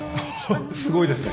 すごいですね。